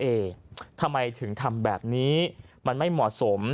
เอ๊ทำไมถึงทำแบบนี้มันไม่เหมาะสม